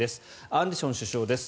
アンデション首相です。